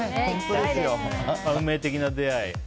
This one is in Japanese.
運命的な出会い。